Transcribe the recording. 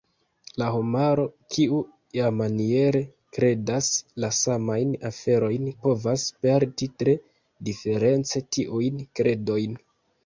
La homaro kiu "iamaniere" kredas la samajn aferojn povas sperti tre diference tiujn kredojn.